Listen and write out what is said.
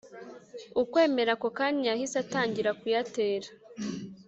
ukwemera, ako kanya yahise atangira kuyatera